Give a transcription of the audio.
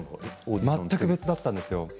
全く別だったんですよ。